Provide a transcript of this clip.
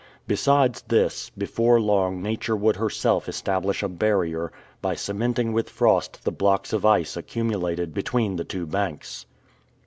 Besides this, before long Nature would herself establish a barrier, by cementing with frost the blocks of ice accumulated between the two banks.